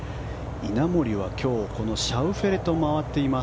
稲森は今日、このシャウフェレと回っています。